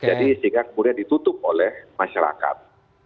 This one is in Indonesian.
jadi sehingga kemudian ditutup oleh masyarakat